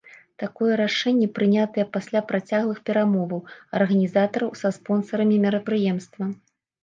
Такое рашэнне прынятае пасля працяглых перамоваў арганізатараў са спонсарамі мерапрыемства.